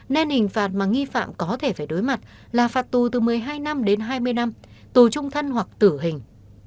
nên hình phạt mà nghi phạm có thể phải đối mặt là phạt tù từ một mươi hai năm đến hai mươi năm tù trung thân hoặc tử hình